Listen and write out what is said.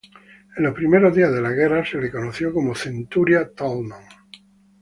En los primeros días de la guerra se le conoció como "Centuria Thälmann".